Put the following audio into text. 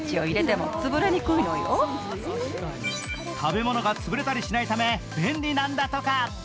食べ物が潰れたりしないため便利なんだとか。